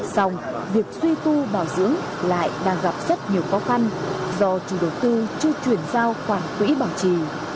xong việc suy tu bảo dưỡng lại đang gặp rất nhiều khó khăn do chủ đầu tư chưa chuyển giao khoản quỹ bảo trì